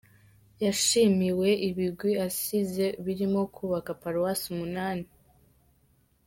Yashimiwe ibigwi asize birimo kubaka paruwasi umunani.